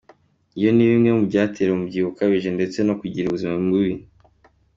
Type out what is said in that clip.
Ibi ni bimwe mubyatera umubyibuho ukabije ndetse no kugira ubuzima bubi.